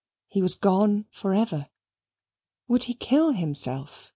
He was gone forever. Would he kill himself?